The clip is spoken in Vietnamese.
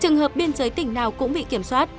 trường hợp biên giới tỉnh nào cũng bị kiểm soát